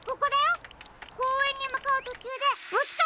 こうえんにむかうとちゅうでぶつかったんだ！